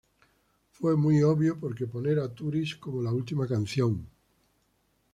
Fue muy obvio porque poner a 'Tourist' como la última canción.